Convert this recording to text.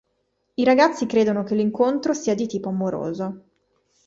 I ragazzi credono che l'incontro sia di tipo amoroso.